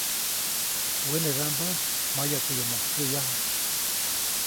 Wenedaʼmbä mayaʼkuyomoʼuŋ tsäʼyaju.